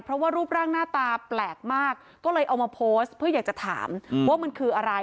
เพราะว่ารูปร่างหน้าตาแปลกมากก็เลยเอามาโพสต์เพื่ออยากจะถามว่ามันคืออะไร